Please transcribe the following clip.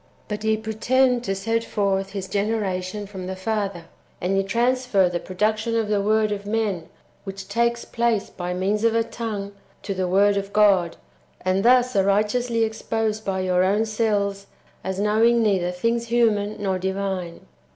"^ But ye pretend to set forth His generation from the Father, and ye transfer the production of ih.Q vrord of men which takes place by means of a tongue to the Word of God, and thus are righteously exposed by your own selves as knowing neither things human nor divine.